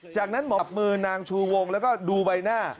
จากนั้นหมอบมือนางชูวงแล้วก็ดูใบหน้า